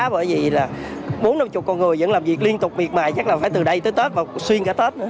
bởi vì là bốn mươi năm mươi con người vẫn làm việc liên tục miệt mài chắc là phải từ đây tới tết và xuyên cả tết